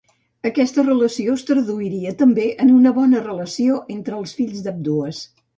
Aquesta relació es traduiria també en una bona relació entre els fills d'ambdues.